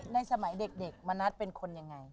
ในสมัยเด็กมณัฐเป็นคนยังไง